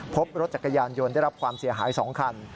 พบรถจักรยานยนต์ได้รับความเสียหาย๒คัน